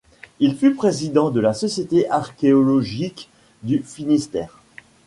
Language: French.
Il fut président de la Société archéologique du Finistère.